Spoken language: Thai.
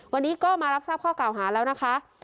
วันนี้ก็มารับทราบข้อเก่าหาแล้วนะคะ